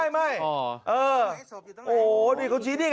ไม่